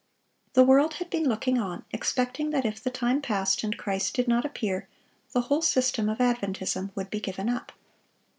The world had been looking on, expecting that if the time passed and Christ did not appear, the whole system of Adventism would be given up.